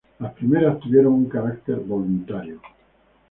Las primeras tuvieron un carácter voluntario.